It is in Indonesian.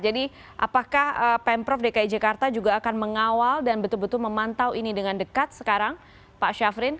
jadi apakah pemprov dki jakarta juga akan mengawal dan betul betul memantau ini dengan dekat sekarang pak syafrin